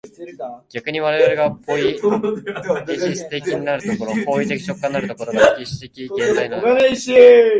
逆に我々がポイエシス的なる所、行為的直観的なる所が、歴史的現在であるのである。